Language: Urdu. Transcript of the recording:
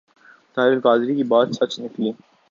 طاہر القادری کی بات سچ نکلی ۔